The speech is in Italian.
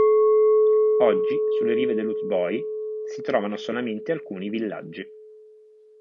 Oggi sulle rive dell'Uzboj si trovano solamente alcuni villaggi.